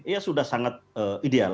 ya sudah sangat ideal